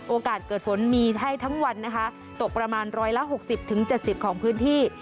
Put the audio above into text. โอกาสเกิดฝนมีให้ทั้งวันนะคะตกประมาณ๑๖๐๗๐ของพื้นที่